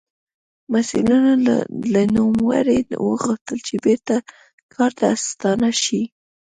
مسوولینو له نوموړي وغوښتل چې بېرته کار ته ستانه شي.